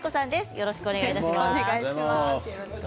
よろしくお願いします。